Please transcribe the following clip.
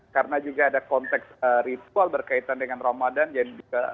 karena juga ada konteks ritual berkaitan dengan ramadan dan juga lebahan ya untuk umat islam